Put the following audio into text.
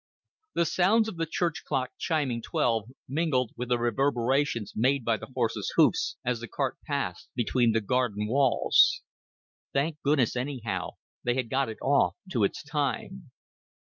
The sounds of the church clock chiming twelve mingled with the reverberations made by the horse's hoofs as the cart passed between the garden walls. Thank goodness, anyhow, they had got it off to its time.